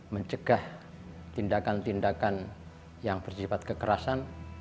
mencegah tindakan tindakan yang bersifat kekerasan